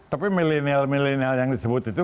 tapi milenial milenial yang disebut itu